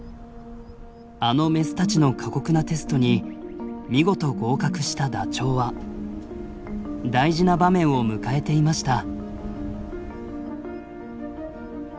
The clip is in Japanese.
あのメスたちの過酷なテストに見事合格したダチョウは大事な場面を迎えていました。